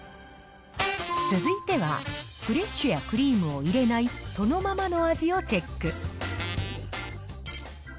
続いては、フレッシュやクリームを入れないそのままの味をチェック。